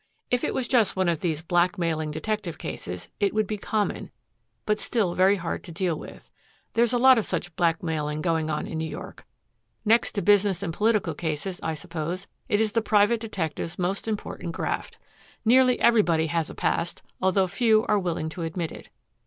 If it was just one of these blackmailing detective cases it would be common, but still very hard to deal with. There's a lot of such blackmailing going on in New York. Next to business and political cases, I suppose, it is the private detective's most important graft. Nearly everybody has a past although few are willing to admit it.